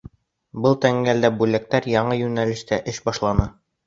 Был тәңгәлдә бүлектәр яңы йүнәлештә эш башланы.